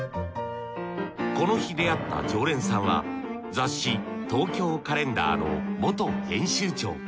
この日出会った常連さんは雑誌『東京カレンダー』の元編集長。